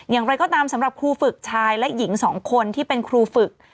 อย่างไรก็ตามสำหรับครูฝึกชายและหญิงสองคนที่เป็นครูฝึก